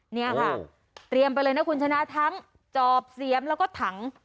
เนี่ยค่ะเตรียมไปเลยนะคุณชนะทั้งจอบเสียมแล้วก็ถัง